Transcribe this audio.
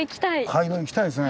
街道行きたいですね。